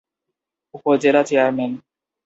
উপজেলা চেয়ারম্যান।